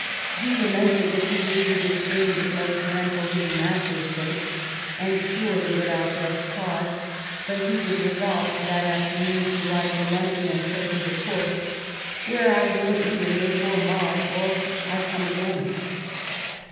He lamented that he was in dis dain with most men for his master's sake, and surely without just cause ; but he was resolved that afternoon to ride to London, and so to the Court, " where I will either make or mar, or I come again."